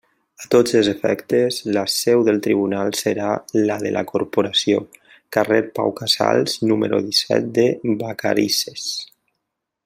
A tots els efectes, la seu del tribunal serà la de la Corporació, Carrer Pau Casals, número disset de Vacarisses.